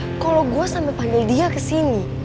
eh kalo gue sampe panggil dia kesini